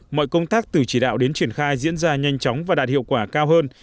mọi công tác từ chỉ đạo đến triển khai diễn ra nhanh chóng và đạt hiệu quả cao hơn